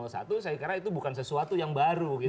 saya kira itu bukan sesuatu yang baru gitu ya